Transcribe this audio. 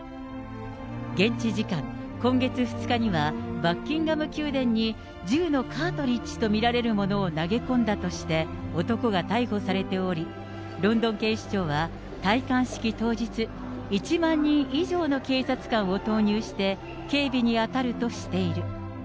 現地時間今月２日には、バッキンガム宮殿に銃のカートリッジと見られるものを投げ込んだとして男が逮捕されており、ロンドン警視庁は戴冠式当日、１万人以上の警察官を投入して、警備に当たるとしている。